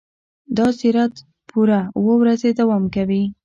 دا زیارت پوره اوه ورځې دوام کوي.